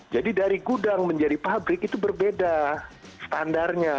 jadi dari gudang menjadi pabrik itu berbeda standarnya